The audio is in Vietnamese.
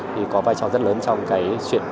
thì có vai trò rất lớn trong cái chuyện